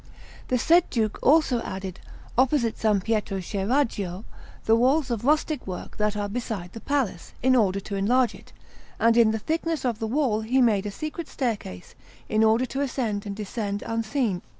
The said Duke also added, opposite S. Pietro Scheraggio, the walls of rustic work that are beside the palace, in order to enlarge it; and in the thickness of the wall he made a secret staircase, in order to ascend and descend unseen.